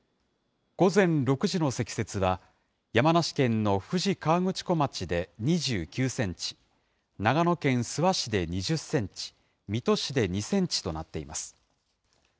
午前６時の積雪は、山梨県の富士河口湖町で２９センチ、長野県諏訪市で２０センチ、水戸市で２センチとなっています。